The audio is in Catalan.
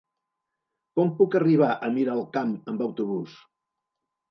Com puc arribar a Miralcamp amb autobús?